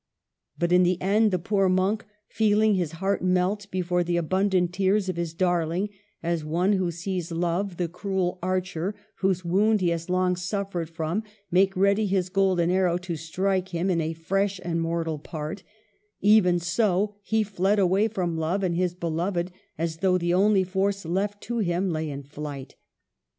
But in the end the poor monk, feeUng his heart melt before the abundant tears of his darling (as one who sees Love, the cruel archer, whose wound he has long suffered from, make ready his golden arrow to strike him in a fresh and mortal part), even so he fled away from Love and his Beloved, as though the only force left to him lay in flight.